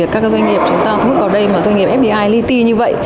việc các doanh nghiệp chúng ta thu hút vào đây mà doanh nghiệp fbi li ti như vậy